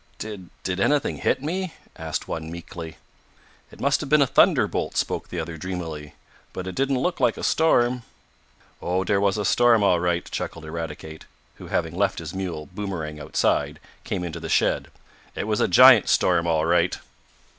"Did did anything hit me?" asked one meekly. "It must have been a thunderbolt," spoke the other dreamily. "But it didn't look like a storm." "Oh, dere was a storm, all right," chuckled Eradicate, who, having left his mule, Boomerang outside, came into the shed. "It was a giant storm all right."